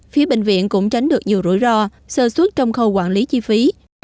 phía bệnh viện cũng tránh được nhiều rủi ro sơ suốt trong khâu quản lý chi phí